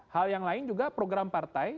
hal yang lain juga program partai